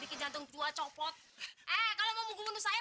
ini ini semuanya oleh oleh buat nyonya